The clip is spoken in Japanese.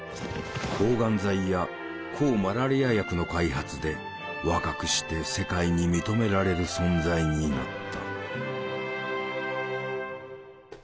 抗がん剤や抗マラリア薬の開発で若くして世界に認められる存在になった。